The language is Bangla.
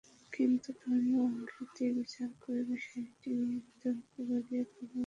কিন্তু ধর্মীয় আঙ্গিক দিয়ে বিচার করে বিষয়টি নিয়ে বিতর্ক বাড়িয়ে তোলা অর্থহীন।